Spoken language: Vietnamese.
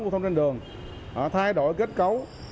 của thông trên đường thay đổi kết cấu